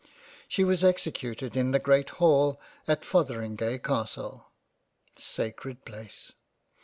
She was executed in the Great Hall at Fortheringay Castle (sacred Place